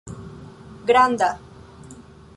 granda